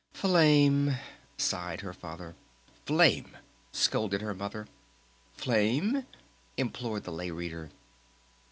"F lame," sighed her Father. "Flame!" scolded her Mother. "Flame?" implored the Lay Reader.